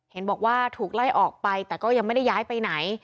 เห็นบอกว่าถูกไล่ออกไปแต่ก็ยังไม่ได้ย้ายไปไหน